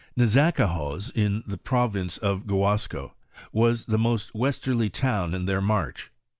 !N^azacahoz, in the province of Gu asco, was the most westerly town in their march.